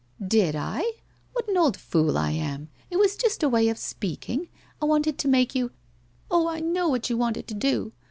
' Did I ? What an old fool I am ! It was just a way of Bpeaking! I wanted to make you '' Oh, 1 know what you wanted to do.